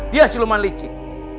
dia siluman licik